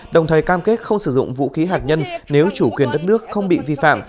đồng thời cam kết không sử dụng vũ khí hạt nhân nếu chủ quyền đất nước không bị vi phạm